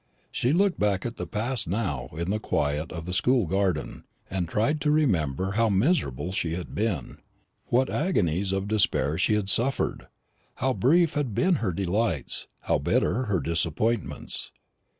She looked back at the past now in the quiet of the school garden, and tried to remember how miserable she had been, what agonies of despair she had suffered, how brief had been her delights, how bitter her disappointments.